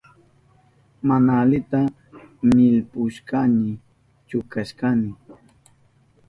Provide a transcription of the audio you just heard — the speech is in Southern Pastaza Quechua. Mana alita millpushpayni chukashkani.